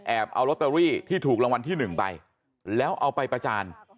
เอาลอตเตอรี่ที่ถูกรางวัลที่๑ไปแล้วเอาไปประจาน